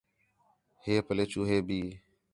ہِے پَلّے چوہے بھی